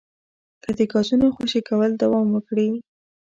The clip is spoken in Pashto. که د ګازونو خوشې کول دوام وکړي